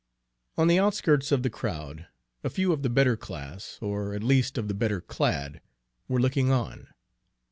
On the outskirts of the crowd a few of the better class, or at least of the better clad, were looking on.